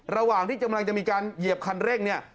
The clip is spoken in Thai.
ระหว่างที่กำลังจะมีการเหยียบคันเร่งเนี่ย